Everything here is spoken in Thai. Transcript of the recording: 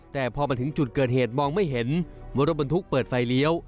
แต่พอมาถึงจุดเกิดเหตุมองไม่เห็นว่ารถบรรทุกเปิดไฟเลี้ยว